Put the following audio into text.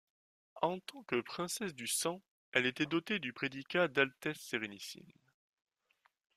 En tant que princesse du sang, elle était dotée du prédicat d' Altesse Sérénissime.